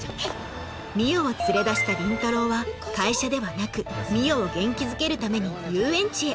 海音を連れ出した倫太郎は会社ではなく海音を元気づけるために遊園地へ